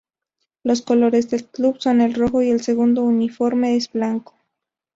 Los colores del club son el rojo y el segundo uniforme es blanco.